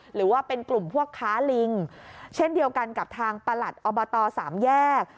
หรือว่าเป็นกลุ่มพวกค้าลิงเช่นเดียวกันกับทางประหลัดอบตสามแยก